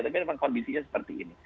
tapi memang kondisinya seperti ini